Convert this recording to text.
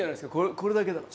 これだけだから。